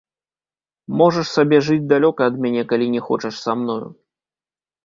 Можаш сабе жыць далёка ад мяне, калі не хочаш са мною.